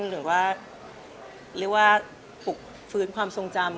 หรือว่าเรียกว่าปลุกฟื้นความทรงจำ